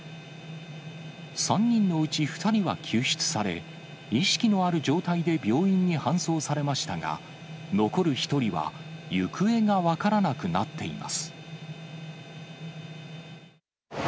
３人のうち２人は救出され、意識のある状態で病院に搬送されましたが、残る１人は行方が分からなくなっています。